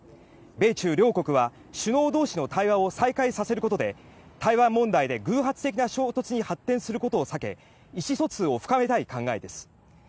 米中両国は首脳同士の対話を再開させることで台湾問題で偶発的な衝突に発展することを避け意思疎通を深めたい考えです。